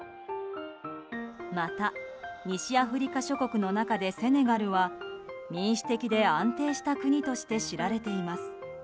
また西アフリカ諸国の中でセネガルは民主的で安定した国として知られています。